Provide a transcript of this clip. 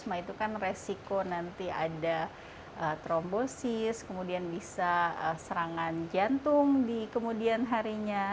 nah itu kan resiko nanti ada trombosis kemudian bisa serangan jantung di kemudian harinya